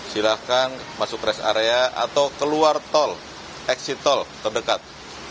silahkan masuk rest area atau keluar tol exit tol terdekat